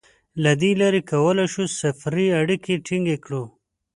له دې لارې کولای شو سفري اړیکې ټینګې کړو.